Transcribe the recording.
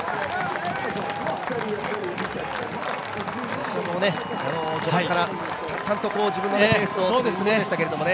西山も序盤から淡々と自分のペースを守ってましたけどね。